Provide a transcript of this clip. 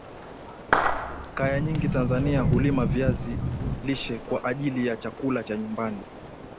Kaya nyingi Tanzania hulima viazi lishe kwa ajili ya chakula cha nyumbani